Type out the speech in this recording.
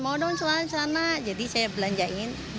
mau dong celana celana jadi saya belanjain